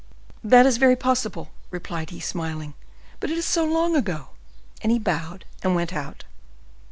"That is very possible," replied he, smiling; "but it is so long ago!" and he bowed, and went out.